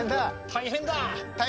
大変だ。